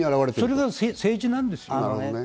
それが政治なんです。